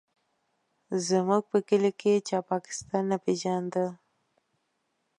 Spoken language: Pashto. زموږ په کلي کې چا پاکستان نه پېژانده.